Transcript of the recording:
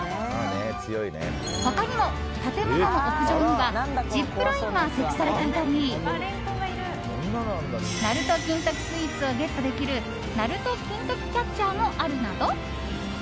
他にも建物の屋上にはジップラインが設置されていたり鳴門金時スイーツをゲットできる鳴戸金時キャッチャーもあるなど